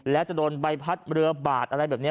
แล้วจะโดนใบพัดเรือบาดอะไรแบบนี้